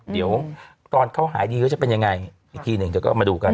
เดี๋ยวตอนเขาหายดีก็จะเป็นยังไงอีกทีหนึ่งเดี๋ยวก็มาดูกัน